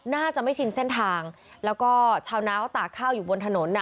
น่าจะไม่ชินเส้นทางแล้วก็ชาวนาเขาตากข้าวอยู่บนถนนอ่ะ